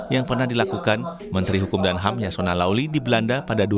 yang pernah dilakukan menteri hukum dan ham yasona lawli di belanda pada dua ribu enam